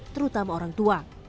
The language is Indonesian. terutama orang tua